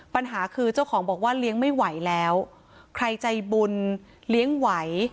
ปัญหาคือเจ้าของบอกว่าเลี้ยงไม่ไหวแล้วใครใจบุญเลี้ยงไหว